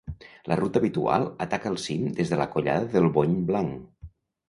La ruta habitual ataca el cim des de la Collada del Bony Blanc.